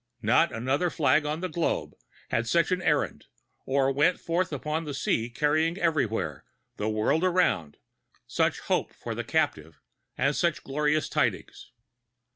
Not another flag on the globe had such an errand, or went forth upon the sea carrying everywhere, the world around, such hope for the captive, and such glorious tidings.